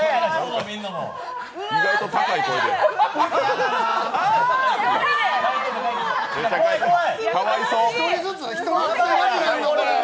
意外と高い声で、あー。